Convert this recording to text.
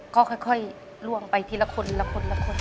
ก็ค่อยล่วงไปทีละคนละคนละคน